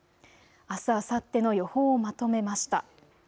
あす、あさっての予報をまとめました。